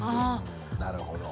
なるほど。